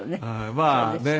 まあね。